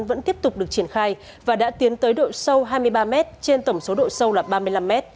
vẫn tiếp tục được triển khai và đã tiến tới độ sâu hai mươi ba m trên tổng số độ sâu là ba mươi năm m